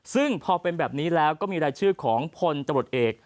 ซึ่งพอเป็นแบบนี้แล้วก็มีรายชื่อของพลตำรวจเอก